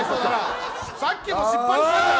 さっきも失敗しただろ。